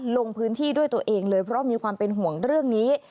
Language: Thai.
ลงพื้นที่ด้วยตัวเองเลยเพราะมีความเป็นห่วงเรื่องนี้